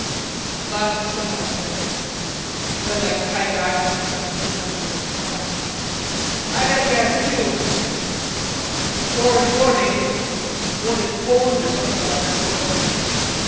At last someone said: "I bet that kike Eisenstein's turned out to be a spy." "I bet he has too." "He's foreign born, ain't he? Born in Poland or some goddam place."